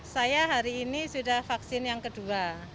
saya hari ini sudah vaksin yang kedua